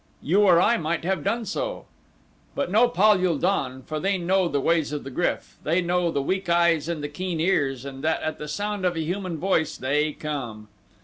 You or I might have done so, but no Pal ul don, for they know the ways of the GRYF they know the weak eyes and the keen ears, and that at the sound of a human voice they come.